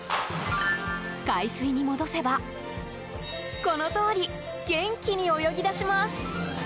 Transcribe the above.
海水に戻せばこのとおり元気に泳ぎ出します。